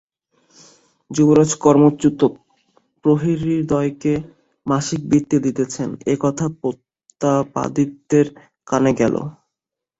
যুবরাজ কর্মচ্যুত প্রহরীদ্বয়কে মাসিক বৃত্তি দিতেছেন, একথা প্রতাপাদিত্যের কানে গেল।